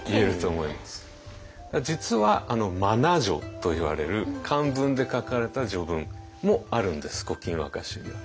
実は真名序といわれる漢文で書かれた序文もあるんです「古今和歌集」には。